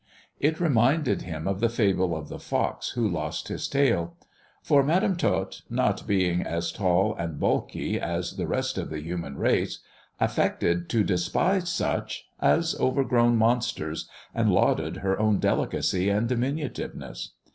It reminded him of the fable of the fox who lost his tail, for Madam Tot, not being as tall and bulky as the rest of the human race, affected to despise such as overgrown monsters, and lauded her own delicacy and diminutiveness.